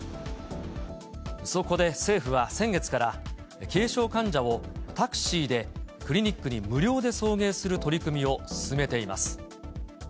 そこで政府は先月から、軽症患者をタクシーでクリニックに無料で送迎する取り組みを進めています。